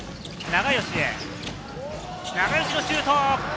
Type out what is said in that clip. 永吉のシュート！